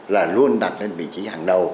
là luôn đặt lên vị trí hàng đầu